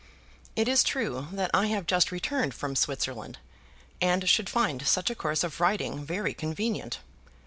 It is true that I have just returned from Switzerland, and should find such a course of writing very convenient.